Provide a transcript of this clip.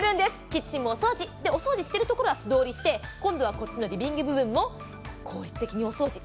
キッチンもお掃除、お掃除しているところは素通りして今度はこっちのリビング部分も効率的にお掃除。